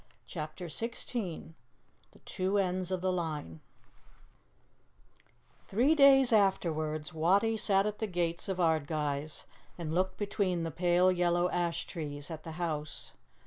CHAPTER XVI THE TWO ENDS OF THE LINE THREE days afterwards Wattie sat at the gates of Ardguys and looked between the pale yellow ash trees at the house.